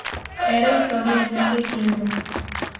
Era historia y sigue siendo.